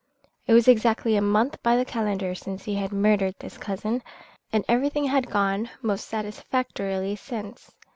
It was exactly a month by the calendar since he had murdered this cousin, and everything had gone most satisfactorily since.